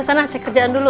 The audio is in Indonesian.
ya sana cek kerjaan dulu